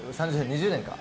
２０年か。